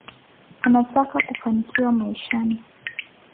Anataka kufanikiwa maishani